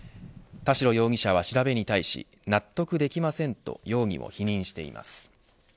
田代容疑者は調べに対し納得できませんと容疑を否認しています。